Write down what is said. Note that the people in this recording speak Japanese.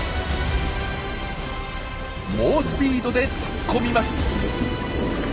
猛スピードで突っ込みます。